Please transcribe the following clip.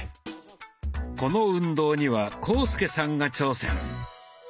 この運動には浩介さんが挑戦。